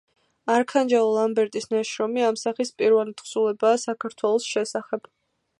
არქანჯელო ლამბერტის ნაშრომი ამ სახის პირველი თხზულებაა საქართველოს შესახებ.